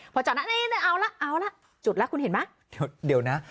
พอจอดแล้วนี่เอาละเอาละจุดแล้วคุณเห็นไหมเดี๋ยวนะ